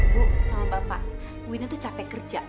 bu sama bapak ibunya tuh capek kerja